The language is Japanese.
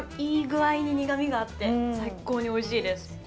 いい具合に苦みがあって最高においしいです。